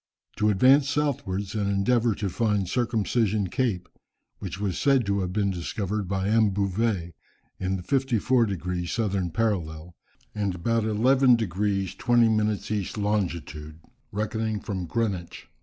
To advance southwards and endeavour to find Circumcision Cape, which was said to have been discovered by M. Bouvet, in the 54 degrees southern parallel, and about 11 degrees 20 minutes east longitude, reckoning from Greenwich.